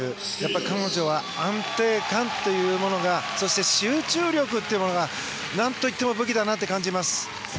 彼女は安定感というものがそして集中力というものが何といっても武器だなと感じます。